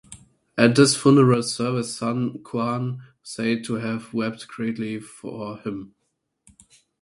At his funeral service, Sun Quan was said to have wept greatly for him.